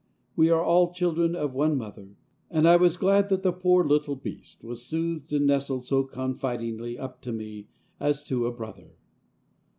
We are all children of one mother, and I was glad that the poor little beast was soothed and nestled so confidingly up to me, as to a brother.